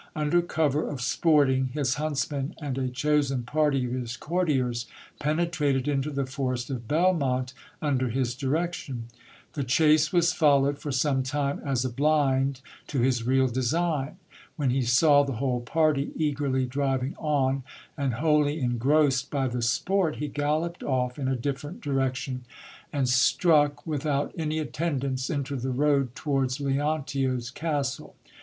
Under cover of sporting, his huntsmen and a chosen party of his courtiers penetrated into the forest of Belmonte under his direction. The chase was followed for some time, as a blind to his real design. When he saw the whole party eagerly driving on, and wholly engrossed by the sport, he galloped off in a different direction, and struck, without any attendants, into the road towards Leontio's castle.